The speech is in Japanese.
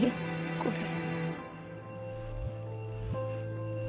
これ。